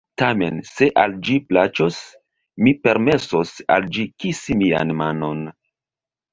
"Tamen se al ĝi plaĉos, mi permesos al ĝi kisi mian manon."